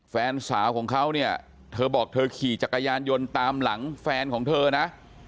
แฟนสาวของเขาเนี่ยเธอบอกเธอขี่จักรยานยนต์ตามหลังแฟนของเธอนะ